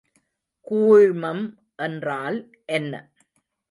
கூழ்மம் என்றால் என்ன?